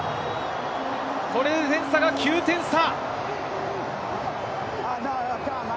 これで点差が９点差。